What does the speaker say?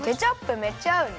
めっちゃあうね！